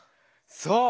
そう！